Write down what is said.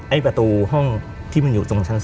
ประตูห้องที่มันอยู่ตรงชั้น๒